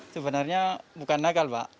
sebenarnya bukan nakal pak